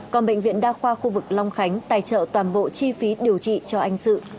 còn bệnh viện đa khoa khu vực long khánh tài trợ toàn bộ chi phí điều trị cho anh sự